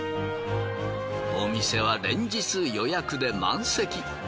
お店は連日予約で満席。